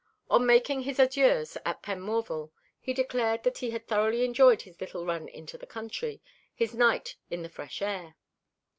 On making his adieux at Penmorval he declared that he had thoroughly enjoyed his little run into the country, his night in the fresh air.